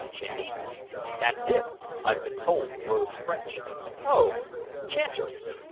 "Chanties?" "That's it. I've been told the word's French." "Oh! Chanter!"